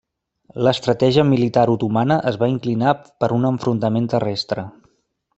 L'estratègia militar otomana es va inclinar per un enfrontament terrestre.